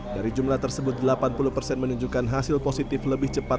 dari jumlah tersebut delapan puluh persen menunjukkan hasil positif lebih cepat